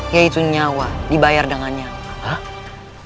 yaitu nyawa dibayar dengan nyawa